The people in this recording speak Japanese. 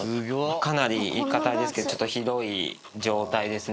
かなり言い方、あれですけど、ひどい状態ですね。